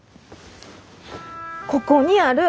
ここにある！